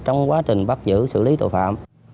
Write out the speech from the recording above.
trong quá trình bắt giữ xử lý tội phạm